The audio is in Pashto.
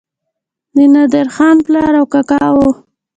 د نادرخان پلار او کاکا وو.